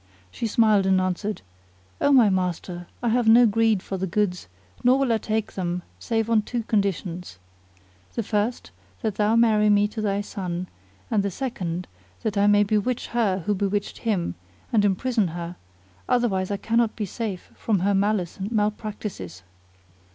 She smiled and answered, "O my master, I have no greed for the goods nor will I take them save on two conditions; the first that thou marry me to thy son and the second that I may bewitch her who bewitched him and imprison her, otherwise I cannot be safe from her malice and malpractices."